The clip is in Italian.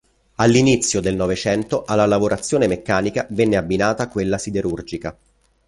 All'inizio del novecento alla lavorazione meccanica venne abbinata quella siderurgica.